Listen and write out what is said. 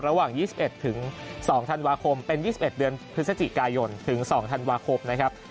ระหว่าง๒๑๒ธันวาคมเป็น๒๑เดือนพฤศจิกายนถึง๒ธันวาคมนะครับ